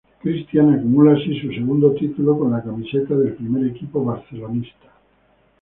Cristian acumula así su segundo título con la camiseta del primer equipo barcelonista.